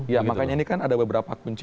ya makanya ini kan ada beberapa kunci